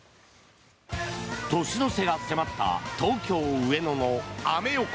年の瀬が迫った東京・上野のアメ横。